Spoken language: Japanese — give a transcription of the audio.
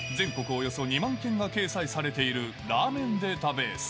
およそ２万軒が掲載されているラーメンデータベース。